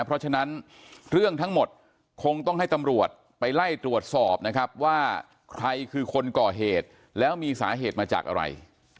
เพราะฉะนั้นเรื่องทั้งหมดคงต้องให้ตำรวจไปไล่ตรวจสอบนะครับว่าใครคือคนก่อเหตุแล้วมีสาเหตุมาจากอะไร